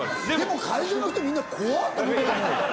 でも会場の人みんな怖っ！と思ったと思うよ。